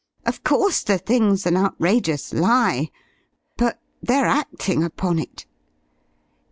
Of course the thing's an outrageous lie, but they're acting upon it."